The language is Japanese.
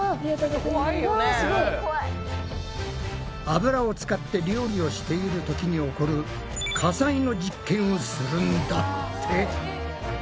油を使って料理をしている時に起こる火災の実験をするんだって。